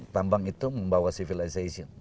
tambang itu membawa civilization